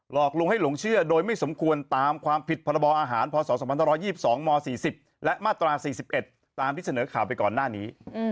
อกลุงให้หลงเชื่อโดยไม่สมควรตามความผิดพรบอาหารพศ๒๒ม๔๐และมาตรา๔๑ตามที่เสนอข่าวไปก่อนหน้านี้